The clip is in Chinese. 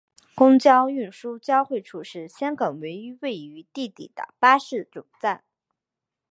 公共运输交汇处是香港唯一位于地底的巴士总站。